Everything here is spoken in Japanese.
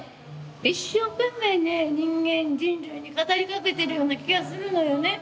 一生懸命ね人間人類に語りかけてるような気がするのよね。